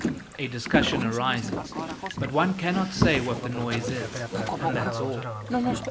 A discussion arises, but one cannot say what the noise is, and that's all.